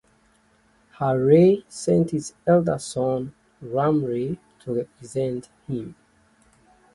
Har Rai sent his elder son Ram Rai to represent him.